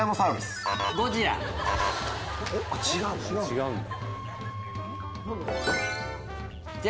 違うんだ。